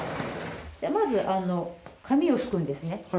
まず紙をすくんですね。